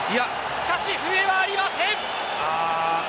しかし笛はありません！